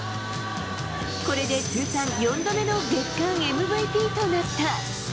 これで通算４度目の月間ＭＶＰとなった。